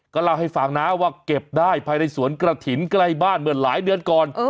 ก็เล่าให้ฟังนะว่าเก็บได้ภายในสวนกระถิ่นใกล้บ้านเหมือนหลายเดือนก่อน